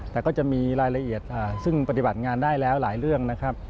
แต่ก็จะมีรายละเอียดซึ่งปฏิบัติงานได้แล้วหลายเรื่องนะครับ